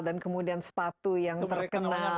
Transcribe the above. dan kemudian sepatu yang terkenal